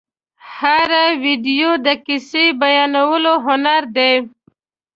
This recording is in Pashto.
هره ویډیو د کیسې بیانولو هنر دی.